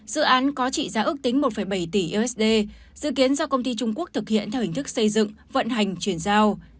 dự án có trị giá ước tính một bảy tỷ usd dự kiến do công ty trung quốc thực hiện theo hình thức xây dựng vận hành chuyển giao